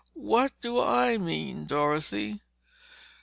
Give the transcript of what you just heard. What do I mean, Dorothy?"